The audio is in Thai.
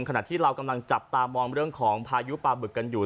ขณะที่เรากำลังจับตามองเรื่องของพายุปลาบึกกันอยู่